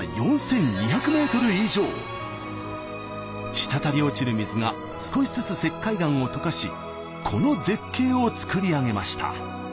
滴り落ちる水が少しずつ石灰岩を溶かしこの絶景を作り上げました。